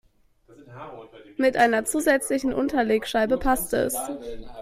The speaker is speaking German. Mit einer zusätzlichen Unterlegscheibe passt es.